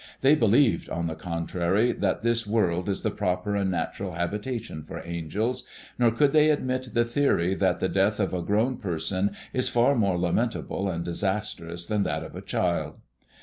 They believed, on the contrary, that this world is the proper and natural habitation for angels; nor could they admit the theory that the death of a grown person is far more lamentable and disastrous than that of a child.